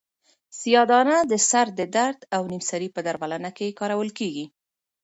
سیاه دانه د سر د درد او نیم سری په درملنه کې کارول کیږي.